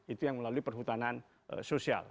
itu yang melalui perhutanan sosial